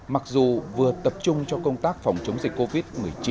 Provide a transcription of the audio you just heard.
mặc dù vừa tập trung cho công tác phòng chống dịch covid một mươi chín